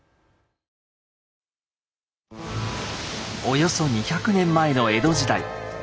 およそ２００年前の江戸時代。